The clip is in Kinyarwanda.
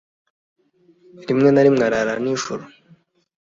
Rimwe na rimwe arara nijoro.